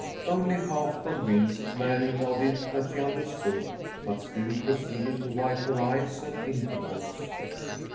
Only half convinced, Mary nodded that she understood, but still proceeded to wipe her eyes at intervals.